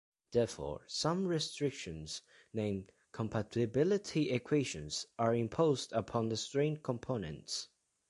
Therefore, some restrictions, named "compatibility equations", are imposed upon the strain components.